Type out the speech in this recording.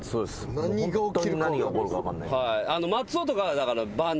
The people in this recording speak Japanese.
何が起きるか分かんない。